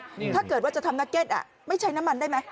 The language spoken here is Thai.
ถ้าเกิดว่าจะทำนักเก็ตอ่ะไม่ใช้น้ำมันได้ไหม